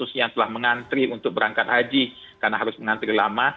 khususnya yang telah mengantri untuk berangkat haji karena harus mengantri lama